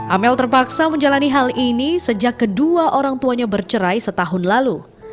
amel terpaksa menjalani hal ini sejak kedua orang tuanya bercerai setahun lalu